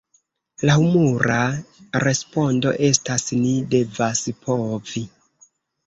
La humura respondo estas "Ni devas povi!